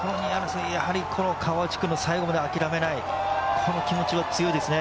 川内君の最後まで諦めない気持ちは強いですね。